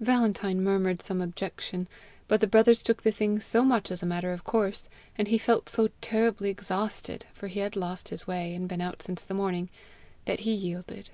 Valentine murmured some objection; but the brothers took the thing so much as a matter of course, and he felt so terribly exhausted for he had lost his way, and been out since the morning that he yielded.